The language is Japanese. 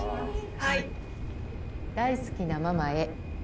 大好きなママへ。